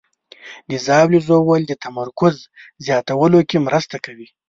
د ژاولې ژوول د تمرکز زیاتولو کې مرسته کوي.